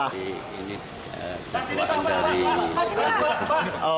kasih ditangkap pak kasih ditangkap pak